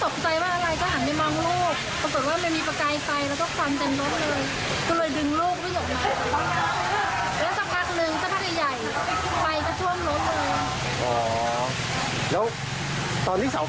ครับหาที่เสาไฟหรือเปล่าแล้วล่ะมันตอบทิลล์นเรา